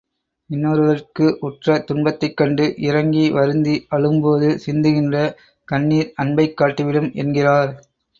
இன்னொருவர்க்கு உற்ற துன்பத்தைக்கண்டு, இரங்கி வருந்தி அழும்போது சிந்துகின்ற கண்ணீர் அன்பைக் காட்டிவிடும் என்கிறார்.